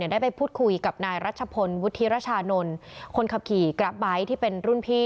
ได้ไปพูดคุยกับนายรัชพลวุฒิรชานนท์คนขับขี่กราฟไบท์ที่เป็นรุ่นพี่